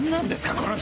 この人！